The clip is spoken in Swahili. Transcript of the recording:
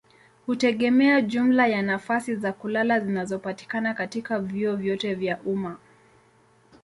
hutegemea jumla ya nafasi za kulala zinazopatikana katika vyuo vyote vya umma.